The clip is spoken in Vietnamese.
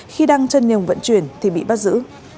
khi đang chân nhường vận chuyển thì bị bắt giữ